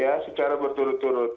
ya secara berturut turut